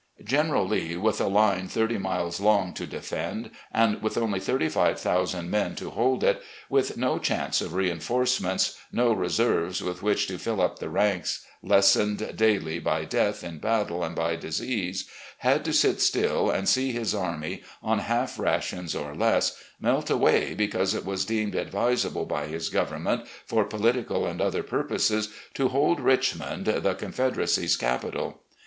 General Lee, with a line thirty miles long to defend and with only 35,000 men to hold it, with no chance of reinforcements, no reserves with which to fill up the ranks lessened daily by death in battle and by disease, had to sit still and see his army, on half rations or less, melt away because it was deemed advisable by his government, for political and other purposes, to hold Richmond, the Confederacy's capital.